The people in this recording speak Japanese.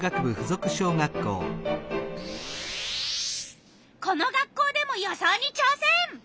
この学校でも予想にちょうせん！